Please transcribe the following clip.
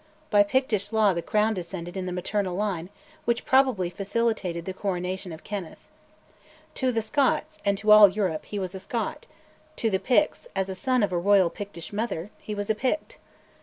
By Pictish law the crown descended in the maternal line, which probably facilitated the coronation of Kenneth. To the Scots and "to all Europe" he was a Scot; to the Picts, as son of a royal Pictish mother, he was a Pict.